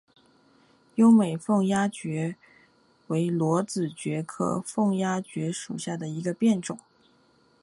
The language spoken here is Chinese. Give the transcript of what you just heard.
优美凤丫蕨为裸子蕨科凤丫蕨属下的一个变种。